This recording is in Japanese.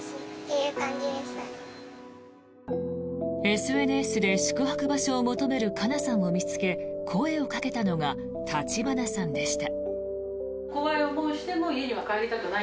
ＳＮＳで宿泊場所を求めるかなさんを見つけ声をかけたのが橘さんでした。